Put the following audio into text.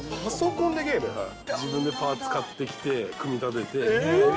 自分でパーツ買ってきて、組み立てて。